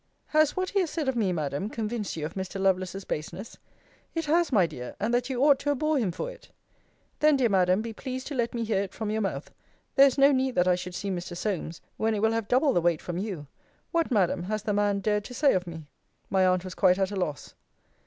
Has what he has said of me, Madam, convinced you of Mr. Lovelace's baseness? It has, my dear: and that you ought to abhor him for it. Then, dear Madam, be pleased to let me hear it from your mouth: there is no need that I should see Mr. Solmes, when it will have double the weight from you. What, Madam, has the man dared to say of me? My aunt was quite at a loss.